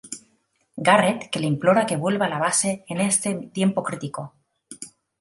Garret, que le implora que vuelva a la base en este tiempo crítico.